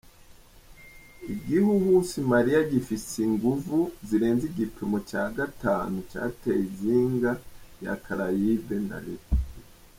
Igihuhusi Maria gifise inguvu zirenze igipimo ca gatanu cateye izinga rya Caraibe na Rep.